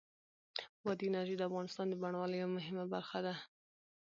بادي انرژي د افغانستان د بڼوالۍ یوه مهمه برخه ده.Shutterstock